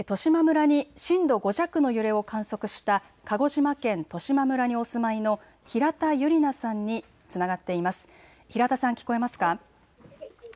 震度５弱の揺れを観測した鹿児島県十島村にお住まいの平田真里奈さんにつながっています。